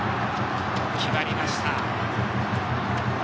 決まりました。